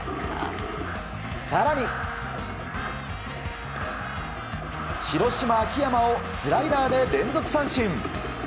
更に広島、秋山をスライダーで連続三振。